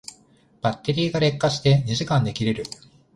バッテリーが劣化して二時間で切れる